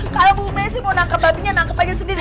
kalo bu besi mau nangkep babinya nangkep aja sendiri